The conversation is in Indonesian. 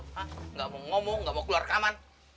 hah gak mau ngomong gak mau keluar rekaman